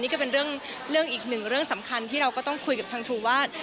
นี่ก็เป็นเรื่องอีกหนึ่งเรื่องสำคัญที่เราก็ต้องคุยกับทางทูวาส